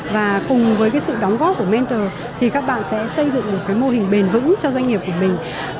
và cùng với cái sự đóng góp của mentor thì các bạn sẽ xây dựng một cái mô hình bền vững cho doanh nghiệp của mình